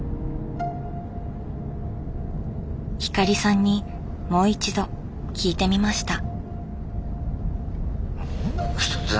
光さんにもう一度聞いてみました。